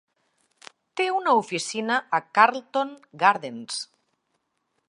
Té una oficina a Carlton Gardens.